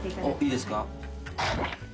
いいですか？